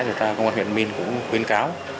của công an huyện minh cũng khuyên cáo